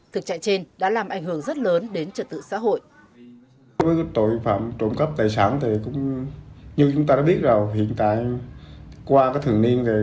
thực trạng trên đã làm ảnh hưởng rất lớn đến trật tự xã hội